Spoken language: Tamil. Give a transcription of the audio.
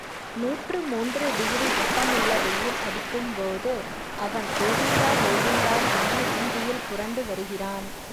நூற்றுமூன்று டிகிரி வெப்பமுள்ள வெயில் அடிக்கும்போது அவன் கோவிந்தா, கோவிந்தா என்று வீதியில் புரண்டு வருகிறான்.